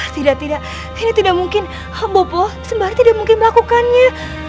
tidak tidak ini tidak mungkin habopo sembari tidak mungkin melakukannya